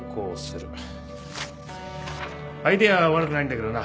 アイデアは悪くないんだけどな。